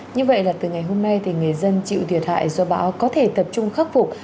như vậy là từ ngày hôm nay thì người dân chịu thiệt hại do bão có thể tập trung khắc phục